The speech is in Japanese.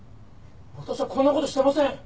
「私はこんな事していません！」